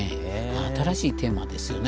新しいテーマですよね